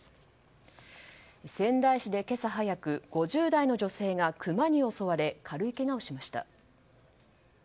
仙台市で今朝早く５０代の女性がクマに襲われ軽いけがをしました。